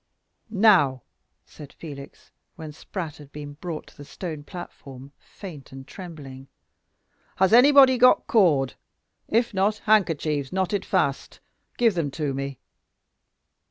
"Now!" said Felix, when Spratt had been brought to the stone platform, faint and trembling, "has anybody got cord? if not, handkerchiefs knotted fast; give them to me."